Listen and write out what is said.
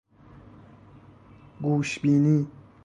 گوش بینی